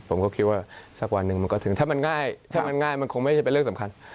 ผมก็คิดว่าสักวันนึงมันก็ถึงถ้ามันง่ายมันคงไม่ได้เป็นเรื่องสำคัญ